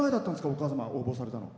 お母様、応募されたの。